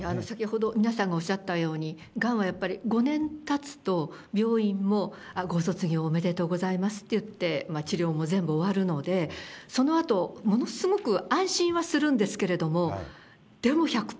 先ほど皆さんがおっしゃったように、がんはやっぱり５年たつと、病院もご卒業おめでとうございますって言って、治療も全部終わるので、そのあと、ものすごく安心はするんですけれども、でも１００％